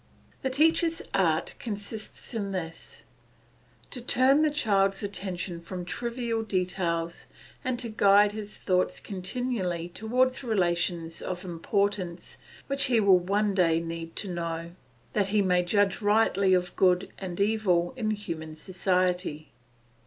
The teacher's art consists in this: To turn the child's attention from trivial details and to guide his thoughts continually towards relations of importance which he will one day need to know, that he may judge rightly of good and evil in human society.